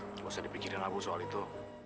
nggak usah dipikir pikir dengan aku soal itu